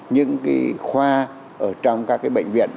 những khoa ở trong các bệnh nhân